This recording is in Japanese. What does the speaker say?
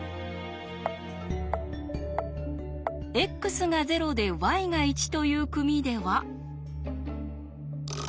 ｘが０でｙが１という組では。